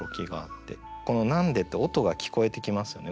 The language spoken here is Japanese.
この「なんで？」って音が聞こえてきますよね